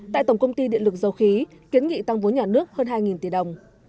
tại tổng công ty điện lực dầu khí kiến nghị tăng vốn nhà nước hơn hai tỷ đồng